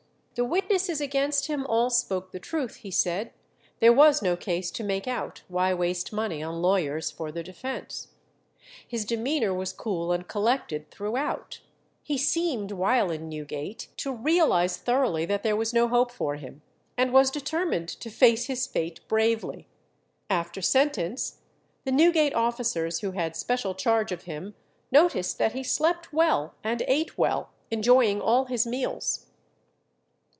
The witnesses against him all spoke the truth, he said; there was no case to make out; why waste money on lawyers for the defence? His demeanour was cool and collected throughout; he seemed while in Newgate to realize thoroughly that there was no hope for him, and was determined to face his fate bravely. After sentence, the Newgate officers who had special charge of him noticed that he slept well and ate well, enjoying all his meals.